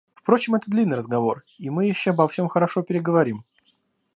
Впрочем, это длинный разговор, и мы еще обо всем хорошо переговорим.